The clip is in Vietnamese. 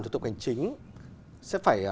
thuộc ngành chính sẽ phải